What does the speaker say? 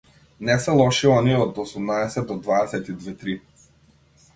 Не се лоши оние од осумнаесет до дваесет и две-три.